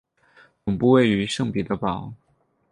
总部位于圣彼得堡。